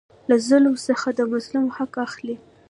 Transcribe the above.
له ظالم څخه د مظلوم حق اخلي.